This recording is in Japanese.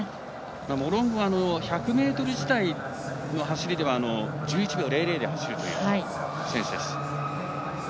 モロンゴは１００ｍ自体の走りでは１１秒００で走るという選手です。